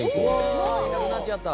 「うわいなくなっちゃった！」